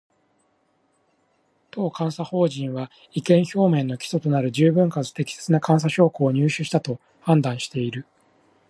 当監査法人は、意見表明の基礎となる十分かつ適切な監査証拠を入手したと判断している